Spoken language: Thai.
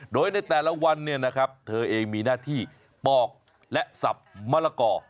โดยในแต่ละวันเธอเองมีหน้าที่ปอกและซับมะละกอ